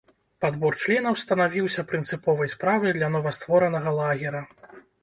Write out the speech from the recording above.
Падбор членаў станавіўся прынцыповай справай для новастворанага лагера.